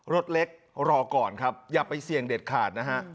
รถเล็กรอก่อนครับอย่าไปเสี่ยงเด็ดขาดนะฮะ